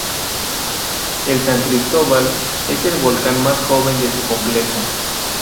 El San Cristóbal es el volcán más joven de su complejo.